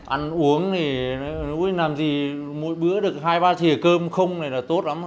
ăn uống thì làm gì mỗi bữa được hai ba thịa cơm không là tốt lắm